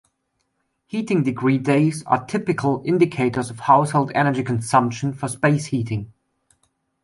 Heating degree days are typical indicators of household energy consumption for space heating.